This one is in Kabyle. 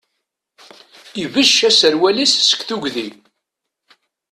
Ibecc aserwal-is seg tugdi.